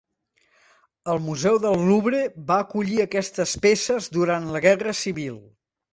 El museu del Louvre va acollir aquestes peces durant la Guerra Civil.